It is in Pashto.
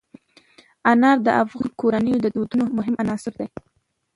انار د افغان کورنیو د دودونو مهم عنصر دی.